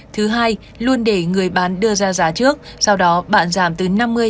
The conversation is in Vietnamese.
thứ hai luôn để người bán đưa ra giá trước sau đó bạn giảm từ năm mươi sáu mươi